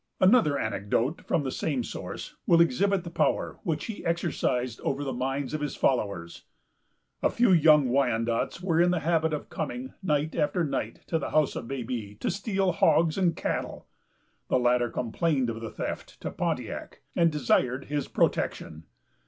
Another anecdote, from the same source, will exhibit the power which he exercised over the minds of his followers. A few young Wyandots were in the habit of coming, night after night, to the house of Baby, to steal hogs and cattle. The latter complained of the theft to Pontiac, and desired his protection.